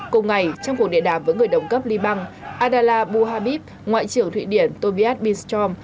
cùng ngày trong cuộc điện đàm với người đồng cấp liban adala buhabib ngoại trưởng thụy điển tobias binstrom